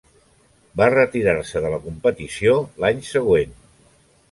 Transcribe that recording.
Va retirar-se de la competició l'any següent.